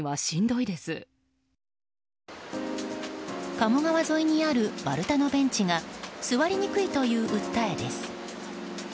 鴨川沿いにある丸太のベンチが座りにくいという訴えです。